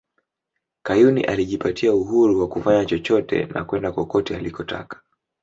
Kayuni alijipatia uhuru wa kufanya chochote na kwenda kokote alikotaka